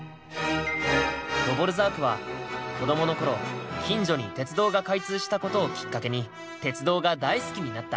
ドヴォルザークは子どものころ近所に鉄道が開通したことをきっかけに鉄道が大好きになった。